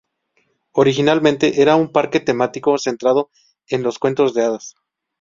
Originalmente, era un parque temático centrado en los cuentos de hadas.